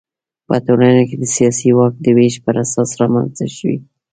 په ټولنه کې د سیاسي واک د وېش پر اساس رامنځته شوي.